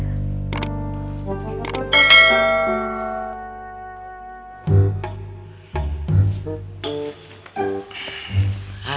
sampai jumpa lagi